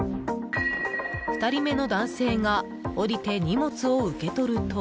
２人目の男性が降りて荷物を受け取ると。